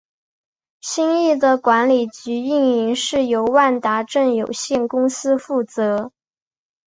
新翼的管理及营运是由万达镇有限公司负责。